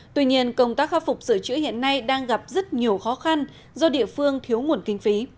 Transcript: tuy nhiên công tác khắc phục sửa chữa hiện nay đang gặp rất nhiều khó khăn do địa phương thiếu nguồn kinh phí